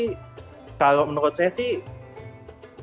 tantangan sih kalau menurut sesi tantangannya ya karena